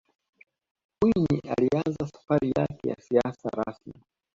mwinyi aliianza safari yake ya siasa rasmi